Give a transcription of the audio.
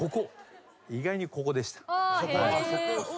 意外にここでした。